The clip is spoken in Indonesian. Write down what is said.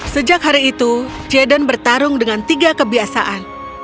sejak hari itu jaden bertarung dengan tiga kebiasaan